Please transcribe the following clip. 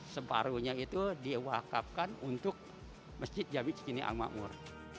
separuhnya itu diwakafkan untuk masjid jamik cikini al maqmur